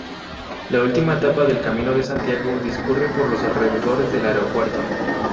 La última etapa del Camino de Santiago discurre por los alrededores del aeropuerto.